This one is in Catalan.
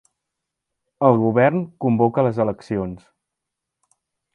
El govern convoca les eleccions.